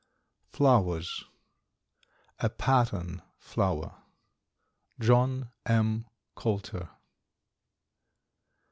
FLOWERS A PATTERN FLOWER. JOHN M. COULTER.